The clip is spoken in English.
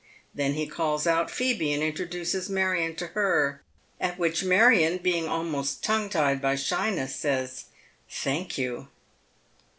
Then he calls out Phoebe and introduces Marion to her, at which Marion, being almost tongue tied by shyness, says, " Thank you."